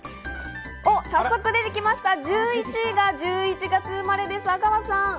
早速でできました、１１位が１１月生まれです、阿川さん。